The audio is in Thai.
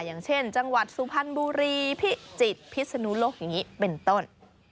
อย่างเช่นจังหวัดสุพรรณบุรีพิจิตรพิศนุโลกอย่างนี้เป็นต้น